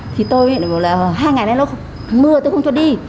thì tôi thì bảo là hai ngày nay nó mưa tôi không cho đi